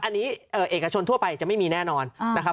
อันนี้เอกชนทั่วไปจะไม่มีแน่นอนนะครับ